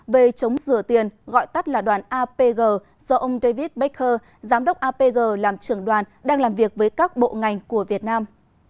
về chống rửa tiền gọi tắt là đoàn apg do ông david baker giám đốc apg làm trưởng đoàn đang làm việc với các bộ ngành của việt nam